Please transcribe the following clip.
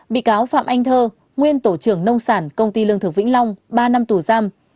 bị cáo phạm anh thơ nguyên tổ trưởng nông sản công ty lương thực vĩnh long ba năm tù giam